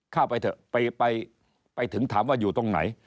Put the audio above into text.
เข้าไปเถอะไปถึงถามว่าอยู่ตรงไหน